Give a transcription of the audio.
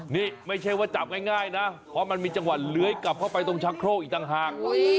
นี่ไม่ใช่ว่าจับง่ายนะเพราะมันมีจังหวะเลื้อยกลับเข้าไปตรงชักโครกอีกต่างหาก